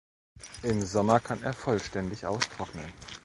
Im Sommer kann er vollständig austrocknen.